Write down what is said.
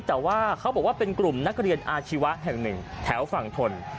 แต่ว่าเขาบอกว่าเป็นกลุ่มนักเรียนอาชีวะแห่งหนึ่งแถวฝั่งทน